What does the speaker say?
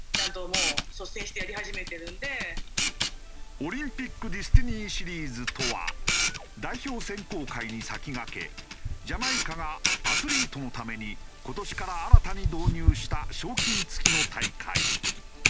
オリンピックディスティニーシリーズとは代表選考会に先駆けジャマイカがアスリートのために今年から新たに導入した賞金付きの大会。